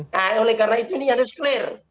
nah oleh karena itu ini yang jelas